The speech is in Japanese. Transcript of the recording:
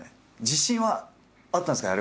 自信はあったんですか？